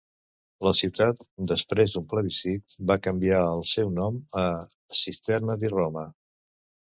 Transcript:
La ciutat, després d'un plebiscit, va canviar el seu nom a Cisterna di Roma.